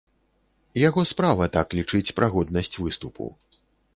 Яго справа так лічыць пра годнасць выступу.